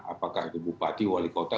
apakah itu bupati wali kota